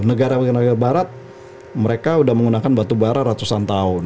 negara negara barat mereka udah menggunakan batubara ratusan tahun